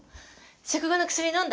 食後の薬飲んだ？